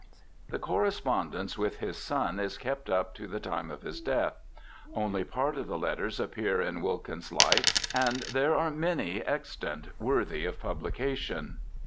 The correspondence with his son is kept up to the time of his death. Only part of the letters appear in SIR THOMAS BROWNE 257 Wilkin's Life, and there are many extant worthy of publication.